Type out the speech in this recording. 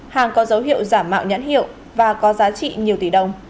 hàng có dấu hiệu giả mạo nhãn hiệu và có giá trị nhiều tỷ đồng